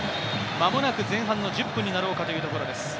間もなく前半の１０分になろうかというところです。